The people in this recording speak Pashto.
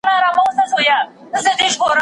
که مولده پانګه زیاته سي تولیدات به ډیر سي.